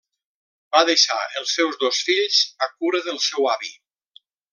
Va deixar els seus dos fills a cura del seu avi.